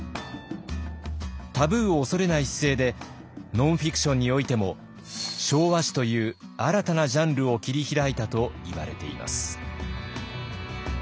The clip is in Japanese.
タブーを恐れない姿勢でノンフィクションにおいても昭和史という新たなジャンルを切り開いたといわれています。